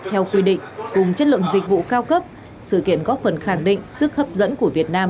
theo quy định cùng chất lượng dịch vụ cao cấp sự kiện góp phần khẳng định sức hấp dẫn của việt nam